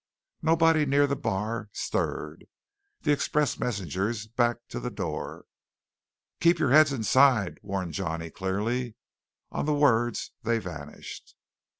Nobody near the bar stirred. The express messengers backed to the door. "Keep your heads inside," warned Johnny clearly. On the words they vanished.